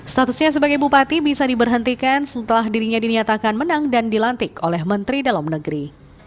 statusnya sebagai bupati bisa diberhentikan setelah dirinya dinyatakan menang dan dilantik oleh menteri dalam negeri